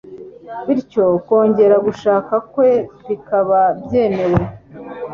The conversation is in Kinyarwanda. bityo kongera gushaka kwe bikaba byemewe